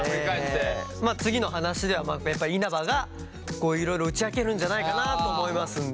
まあ次の話ではやっぱ稲葉がいろいろ打ち明けるんじゃないかなと思いますんで。